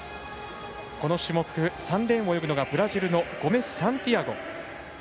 この種目、３レーンを泳ぐのがブラジルのゴメスサンティアゴ。